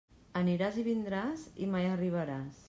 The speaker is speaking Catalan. Aniràs i vindràs i mai arribaràs.